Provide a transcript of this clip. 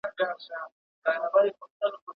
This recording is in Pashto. ¬ طبيب هغه دئ، چي پر ورغلي وي.